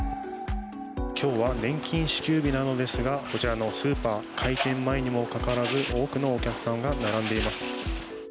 今日は年金支給日なのですがこちらのスーパー開店前にもかかわらず多くのお客さんが並んでいます。